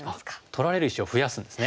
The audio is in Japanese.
取られる石を増やすんですね。